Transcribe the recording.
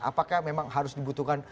apakah memang harus dibutuhkan